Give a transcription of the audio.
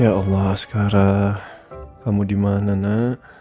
ya allah sekarang kamu dimana nak